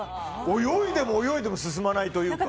泳いでも泳いでも進まないというか。